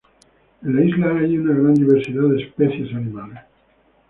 En la isla, hay una gran diversidad de especies animales.